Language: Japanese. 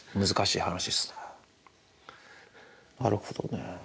なるほどね。